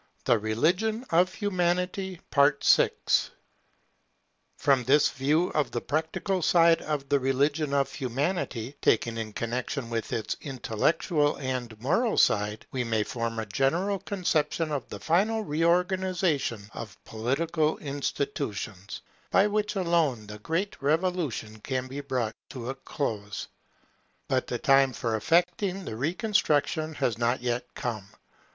But the revolution of 1848 is a step towards it] From this view of the practical side of the religion of Humanity taken in connexion with its intellectual and moral side, we may form a general conception of the final reorganization of political institutions, by which alone the great Revolution can be brought to a close. But the time for effecting this reconstruction has not yet come.